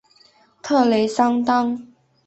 特雷桑当。